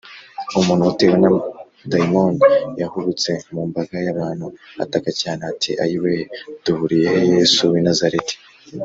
umuntu utewe na dayimoni yahubutse mu mbaga y’abantu ataka cyane ati: “ayii we! duhuriye he yesu w’i nazareti?